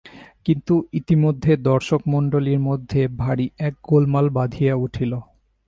কিন্তু ইতিমধ্যে দর্শকমণ্ডলীর মধ্যে ভারি এক গোলমাল বাধিয়া উঠিল।